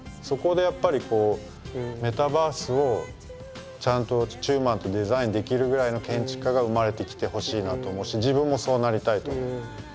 そこでやっぱりメタバースをちゃんと中馬とデザインできるぐらいの建築家が生まれてきてほしいなと思うし自分もそうなりたいと思う。